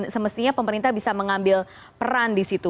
semestinya pemerintah bisa mengambil peran di situ